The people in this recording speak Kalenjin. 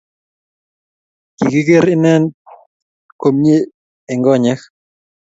Kiker inet komie eng konyek